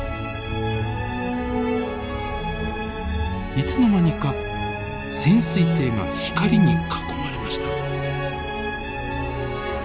いつの間にか潜水艇が光に囲まれました。